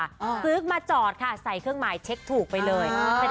ซื้อมาจอดค่ะใส่เครื่องหมายเช็คถูกไปเลย